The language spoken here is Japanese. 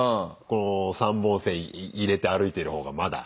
この３本線入れて歩いてる方がまだ。